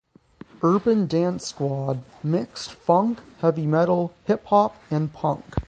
Urban Dance Squad mixed funk, heavy metal, hip hop and punk.